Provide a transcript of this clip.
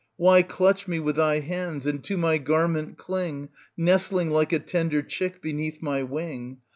Why clutch me with thy hands and to my garment cling, nestling like a tender chick beneath my wing?